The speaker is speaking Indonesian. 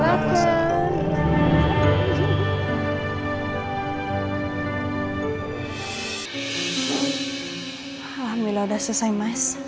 alhamdulillah udah selesai mas salat kita